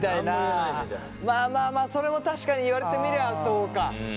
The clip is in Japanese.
まあまあまあそれも確かに言われてみりゃそうか。